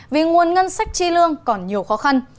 vì nguồn ngân sách chi lương còn nhiều khó khăn